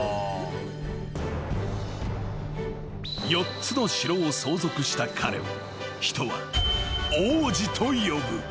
［４つの城を相続した彼を人は王子と呼ぶ］